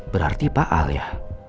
berarti pak al ya